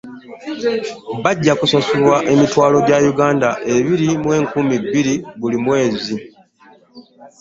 Bajja kusasulwanga emitwalo gya Uganda ebiri mu enkumi bbiri buli mwezi.